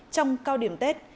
trong cao điểm tết